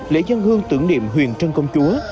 lễ dân hương tưởng niệm huyền trân công chúa